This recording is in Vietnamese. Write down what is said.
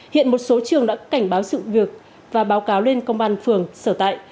hiện một số trường đã cảnh báo sự việc và báo cáo lên công an phường sở tại